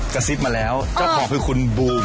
กระซิบมาแล้วเจ้าของคือคุณบูม